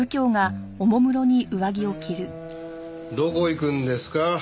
どこ行くんですか？